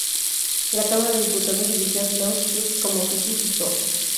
La Cámara de Diputados eligió a Klaus Schütz como su sucesor.